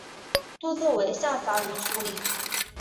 多做为下杂鱼处理。